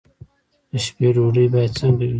د شپې ډوډۍ باید څنګه وي؟